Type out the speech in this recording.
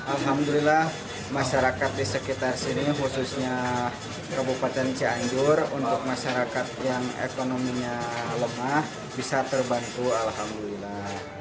alhamdulillah masyarakat di sekitar sini khususnya kabupaten cianjur untuk masyarakat yang ekonominya lemah bisa terbantu alhamdulillah